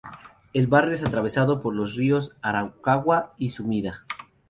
El barrio es atravesado por los ríos "Arakawa" y "Sumida".